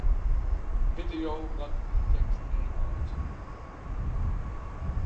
Witte jo wat dy tekst ynhâldt?